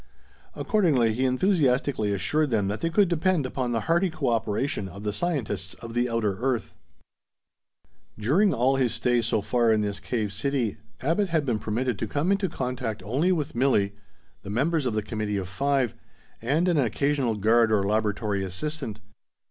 Accordingly he enthusiastically assured them that they could depend upon the hearty cooperation of the scientists of the outer earth. During all his stay so far in this cave city, Abbot had been permitted to come in contact only with Milli, the members of the Committee of Five, and an occasional guard or laboratory assistant.